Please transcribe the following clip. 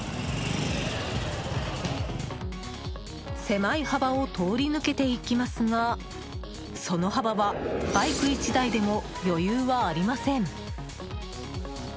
狭い幅を通り抜けていきますがその幅はバイク１台でも余裕はありません。